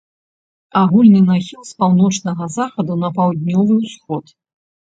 Агульны нахіл з паўночнага захаду на паўднёвы ўсход.